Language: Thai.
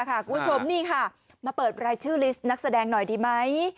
คุณชมมาเปิดรายชื่อลิสต์นักแสดงหน่อยดิไหม